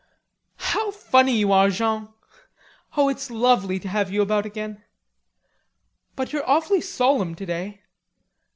"How funny you are, Jean! Oh, it's lovely to have you about again. But you're awfully solemn today.